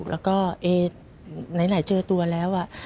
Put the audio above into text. แล้วก็ไหนเจอตัวแล้ว